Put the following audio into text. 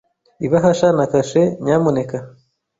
Ibahasha na kashe, nyamuneka.